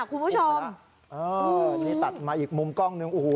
คุณผู้ชมเออนี่ตัดมาอีกมุมกล้องหนึ่งโอ้โห